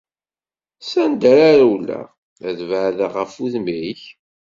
S anda ara rewleɣ, ad beɛdeɣ ɣef wudem-ik?